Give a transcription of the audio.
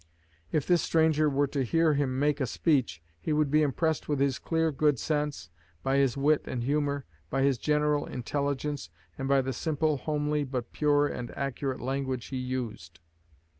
If this stranger were to hear him make a speech, he would be impressed with his clear good sense, by his wit and humor, by his general intelligence, and by the simple, homely, but pure and accurate language he used.